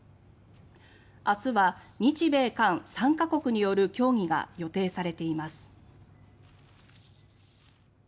明日は日米韓３か国による協議が予定されています。